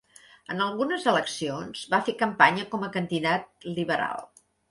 En algunes eleccions, va fer campanya com a candidat liberal.